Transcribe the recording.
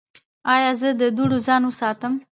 ایا له دوړو ځان وساتم؟